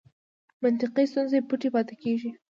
منطقي ستونزې پټې پاتې کېږي.